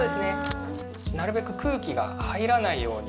なるべく空気が入らないように。